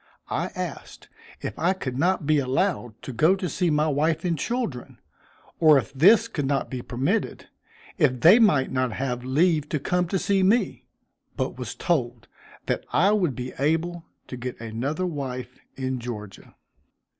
I asked if I could not be allowed to go to see my wife and children, or if this could not be permitted, if they might not have leave to come to see me; but was told that I would be able to get another wife in Georgia.